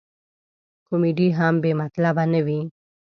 کمیډي هم بې مطلبه نه وي.